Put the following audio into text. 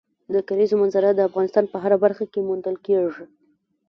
د کلیزو منظره د افغانستان په هره برخه کې موندل کېږي.